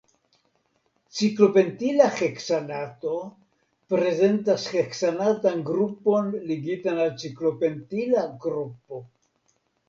Ciklopentila heksanato prezentas heksanatan grupon ligitan al ciklopentila grupo.